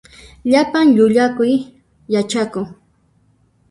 Llapan llullakuy yachakun.